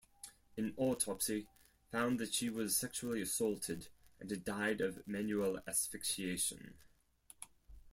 An autopsy found that she was sexually assaulted and had died of manual asphyxiation.